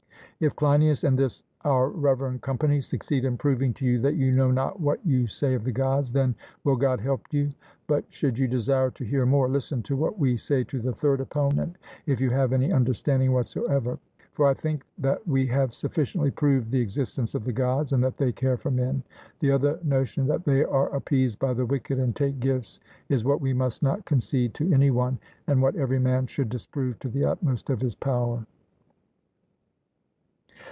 If Cleinias and this our reverend company succeed in proving to you that you know not what you say of the Gods, then will God help you; but should you desire to hear more, listen to what we say to the third opponent, if you have any understanding whatsoever. For I think that we have sufficiently proved the existence of the Gods, and that they care for men: The other notion that they are appeased by the wicked, and take gifts, is what we must not concede to any one, and what every man should disprove to the utmost of his power.